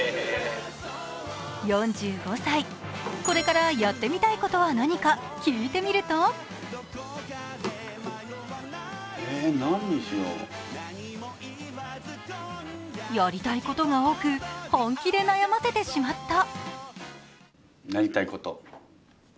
４５歳、これからやってみたいことは何か聞いてみるとやりたいことが多く、本気で悩ませてしまった。